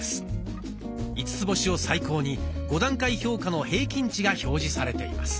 ５つ星を最高に５段階評価の平均値が表示されています。